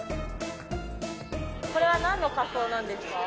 これはなんの仮装なんですか？